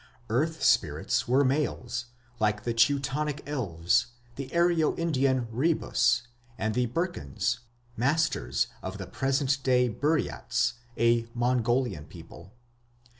Earth spirits were males, like the Teutonic elves, the Aryo Indian Ribhus, and the Burkans, "masters", of the present day Buriats, a Mongolian people.